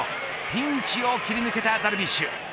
ピンチを切り抜けたダルビッシュ。